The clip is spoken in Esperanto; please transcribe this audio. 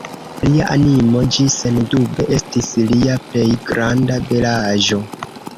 Lia animo, ĝi sendube estis lia plej granda belaĵo!